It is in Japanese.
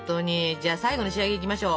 じゃあ最後の仕上げいきましょう。